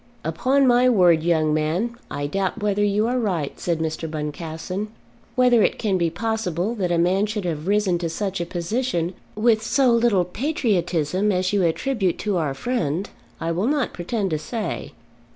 "Upon my word, young men, I doubt whether you are right," said Mr. Boncassen. "Whether it can be possible that a man should have risen to such a position with so little patriotism as you attribute to our friend, I will not pretend to say.